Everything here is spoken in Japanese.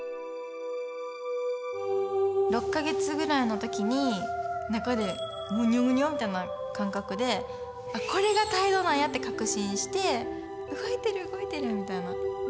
６か月ぐらいの時に中でむにょむにょみたいな感覚であっこれが胎動なんやって確信して動いてる動いてるみたいな。